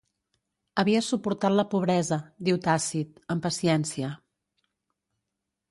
Havia suportat la pobresa, diu Tàcit, amb paciència.